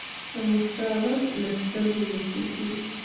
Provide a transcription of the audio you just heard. د موسکا ږغ له سترګو لوستل کېږي.